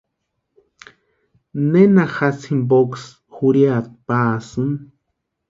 ¿Nena jasï jimpoksï jurhiata pasïni?